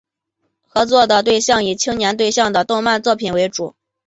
合作的对象以青年对象的动漫作品为主。